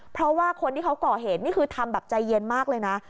เพราะว่าคนที่เขาก่อเหตุนี่คือทำแบบใจเย็นมากเลยนะ